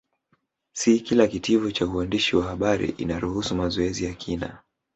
Si kila Kitivo cha uandishi wa habari inaruhusu mazoezi ya kina